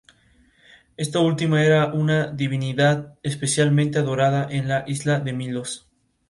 Esta última era una divinidad especialmente adorada en la isla de Milos.